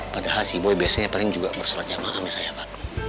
padahal si boy biasanya paling juga bersolat jamaah misalnya pak